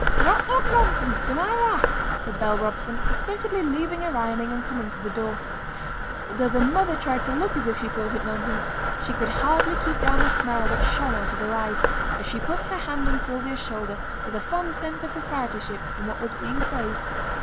'Dunnot talk nonsense to my lass,' said Bell Robson, hospitably leaving her ironing and coming to the door; but though the mother tried to look as if she thought it nonsense, she could hardly keep down the smile that shone out of her eyes, as she put her hand on Sylvia's shoulder, with a fond sense of proprietorship in what was being praised.